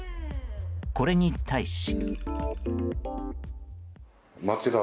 これに対し。